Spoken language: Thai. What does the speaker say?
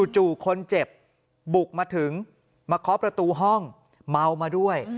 จู่คนเจ็บบุกมาถึงมาเคาะประตูห้องเมามาด้วย